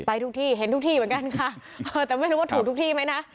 ทุกที่เห็นทุกที่เหมือนกันค่ะแต่ไม่รู้ว่าถูกทุกที่ไหมนะ